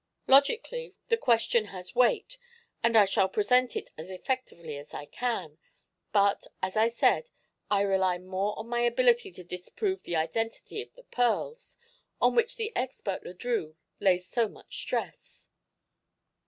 Logically, the question has weight and I shall present it as effectively as I can; but, as I said, I rely more on my ability to disprove the identity of the pearls, on which the expert Le Drieux lays so much stress.